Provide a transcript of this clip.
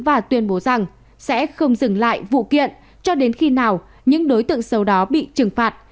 và tuyên bố rằng sẽ không dừng lại vụ kiện cho đến khi nào những đối tượng xấu đó bị trừng phạt